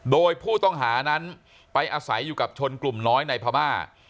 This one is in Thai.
โดยผู้ต้องหานั้นไปอาศัยอยู่กับชนกลุ่มน้อยในพม่า